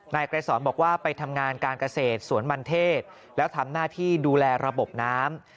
ไกรสอนบอกว่าไปทำงานการเกษตรสวนมันเทศแล้วทำหน้าที่ดูแลระบบน้ำ